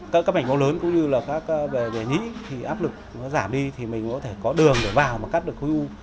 các cấp ảnh máu lớn cũng như là các về nhĩ thì áp lực nó giảm đi thì mình có thể có đường để vào mà cắt được khối u